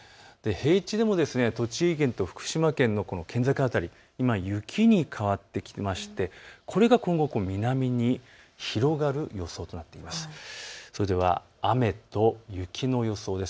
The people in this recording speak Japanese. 平地でも栃木県と福島県の県境辺り、今、雪に変わってきていましてこれが今後、南に広がる予想となっています。